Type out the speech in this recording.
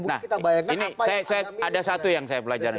nah ini ada satu yang saya pelajari